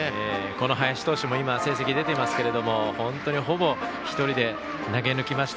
林投手も成績出ていますが本当にほぼ１人で投げぬきました。